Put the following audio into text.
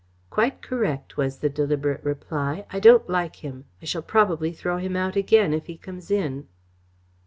"Quite correct," was the deliberate reply. "I don't like him. I shall probably throw him out again if he comes in."